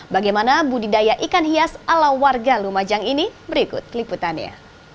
bagaimana budidaya ikan hias ala warga lumajang ini berikut liputannya